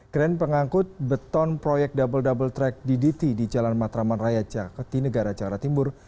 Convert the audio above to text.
keren pengangkut beton proyek double double track ddt di jalan matraman raya caketi negara jawa timur